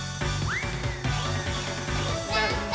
「なんだ？